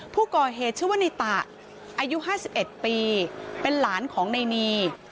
ผู้ก่อเหตุชื่อว่าในตะอายุ๕๑ปีเป็นหลานของในนี